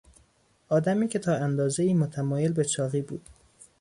آدمی که تا اندازهای متمایل به چاقی بود